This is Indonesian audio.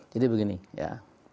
jadi begini ya